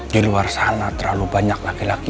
di luar sana terlalu banyak laki laki